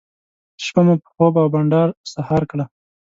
شپه مو په خوب او بانډار سهار کړه.